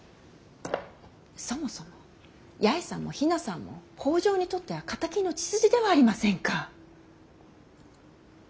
そもそも八重さんも比奈さんも北条にとっては敵の血筋ではありませんか。